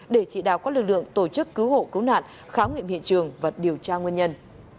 để chỉ đào các lực lượng tổ chức cứu hộ cứu nạn kháng nguyện hiện trường và điều tra nguyên nhân